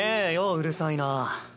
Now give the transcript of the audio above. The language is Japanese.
うるさいな。